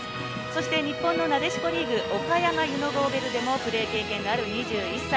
そして、日本のなでしこリーグ岡山湯郷Ｂｅｌｌｅでプレー経験がある２１歳。